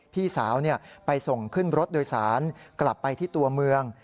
พี่สาวไปส่งขึ้นรถโดยสารกลับไปที่ตัวเมือง